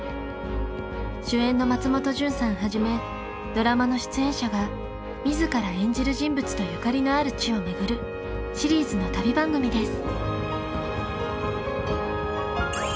主演の松本潤さんはじめドラマの出演者が自ら演じる人物とゆかりのある地を巡るシリーズの旅番組です。